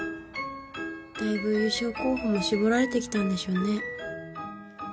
だいぶ優勝候補も絞られてきたんでしょうね。